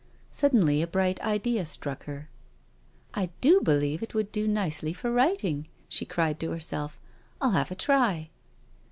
Suddenly a bright idea struck her. " I do believe it would do nicely for writing/' she cried to herself, 1*11 have a try."